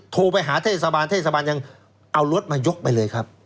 โทรไปหาเทศบาลเทศบาลยังเอารถมายกไปเลยครับ